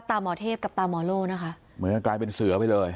หมอเทพกับตาหมอโล่นะคะเหมือนกลายเป็นเสือไปเลย